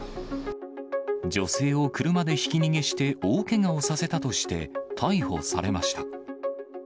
女性を車でひき逃げして、大けがをさせたとして、逮捕されました。